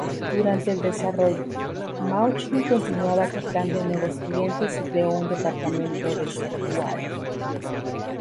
Durante el desarrollo, Mauchly continuaba captando nuevos clientes y creó un departamento de software.